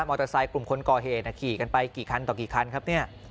มอเตอร์ไซค์กลุ่มคนก่อเหตุขี่กันไปกี่คันต่อกี่คันครับ